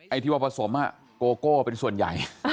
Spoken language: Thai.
ที่ว่าผสมโกโก้เป็นส่วนใหญ่